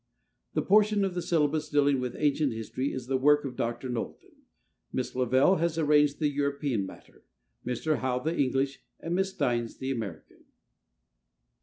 The portion of the syllabus dealing with Ancient History is the work of Dr. Knowlton; Miss Lavell has arranged the European matter; Mr. Howe the English, and Miss Dynes the American.